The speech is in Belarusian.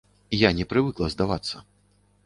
Я не прывыкла здавацца.